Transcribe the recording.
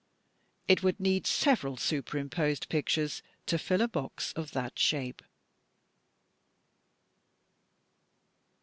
It would need several superimposed pictures to fill a box of that shape.